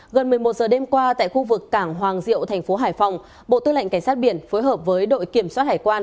gần một mươi một giờ đêm qua tại khu vực cảng hoàng diệu thành phố hải phòng bộ tư lệnh cảnh sát biển phối hợp với đội kiểm soát hải quan